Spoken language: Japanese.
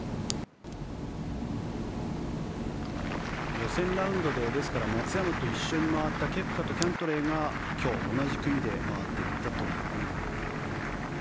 予選ラウンドでですから、松山と一緒に回ったケプカとキャントレーが今日同じ組で回っていったという。